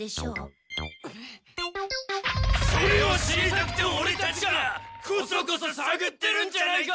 それを知りたくてオレたちがこそこそさぐってるんじゃないか！